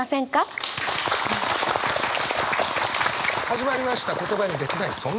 始まりました「言葉にできない、そんな夜。」。